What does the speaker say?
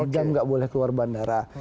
dua jam nggak boleh keluar bandara